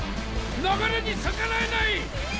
流れに逆らえない！